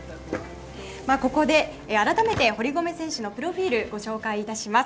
ここで改めて堀米選手のプロフィールをご紹介致します。